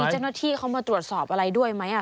เจ้าหน้าที่เขามาตรวจสอบอะไรด้วยไหม